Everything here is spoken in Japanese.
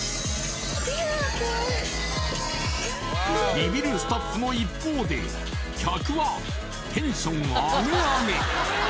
ビビるスタッフの一方で客はテンションあげあげ